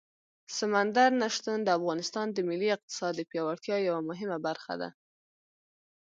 سمندر نه شتون د افغانستان د ملي اقتصاد د پیاوړتیا یوه مهمه برخه ده.